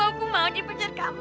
aku hapi banget jadi pacar kamu